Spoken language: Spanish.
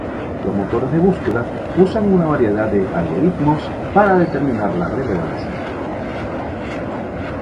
Los motores de búsqueda usan una variedad de algoritmos para determinar la relevancia.